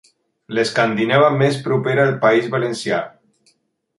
L'escandinava més propera al País Valencià.